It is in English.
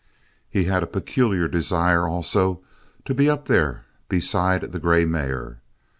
He had a peculiar desire, also, to be up there beside the grey mare.